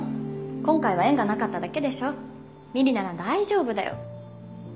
今回は縁がなかっただけでしょ美璃なら大丈夫だよ